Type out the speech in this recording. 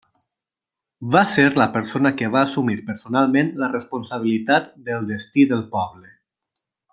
Va ser la persona que va assumir personalment la responsabilitat del destí del poble.